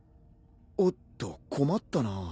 おっと困ったな。